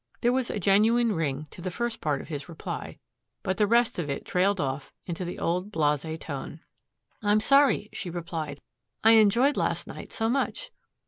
There was a genuine ring to the first part of his reply. But the rest of it trailed off into the old blase tone. "I'm sorry," she replied. "I enjoyed last night so much."